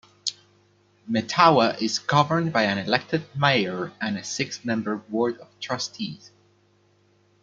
Mettawa is governed by an elected Mayor and a six-member Board of Trustees.